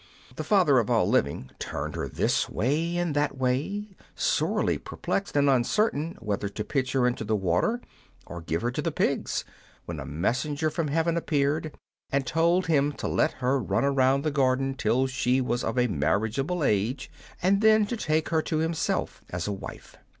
The father of all living turned her this way and that way, sorely perplexed, and uncertain whether to pitch her into the water or give her to the pigs, when a messenger from heaven appeared, and told him to let her run about the garden till she was of a marriageable age, and then to take her to himself as a wife.